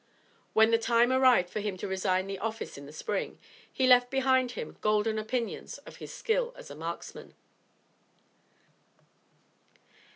When the time arrived for him to resign the office in the Spring, he left behind him golden opinions of his skill as a marksman.